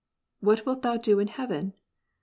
What wilt thou do in heaven !